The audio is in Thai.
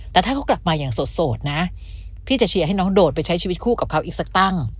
แต่ถ้าเขากลับมาอย่างโสดนะพี่จะเชียร์ให้น้องโดดไปใช้ชีวิตคู่กับเขาอีกสักตั้ง